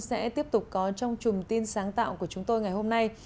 sẽ tiếp tục có trong chùm tin sáng tạo của chúng tôi ngày hôm nay